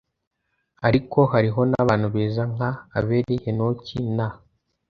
ariko hariho n’abantu beza, nka abeli, henoki na